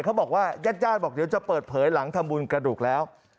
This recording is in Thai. เขาบอกว่าญาติญาติบอกเดี๋ยวจะเปิดเผยหลังทำบุญกระดูกแล้ว